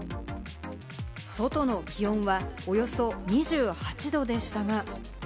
外の気温はおよそ２８度でしたが。